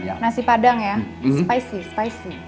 nasi padang ya spicey spicey